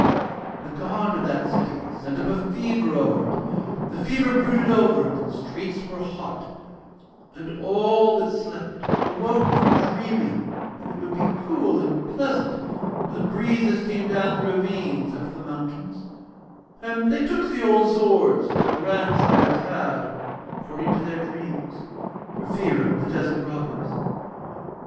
And the god of that city sent up a fever over it, and the fever brooded over it and the streets were hot; and all that slept awoke from dreaming that it would be cool and pleasant where the breezes came down the ravine out of the mountains; and they took the old swords that their grandsires had, according to their dreams, for fear of the desert robbers.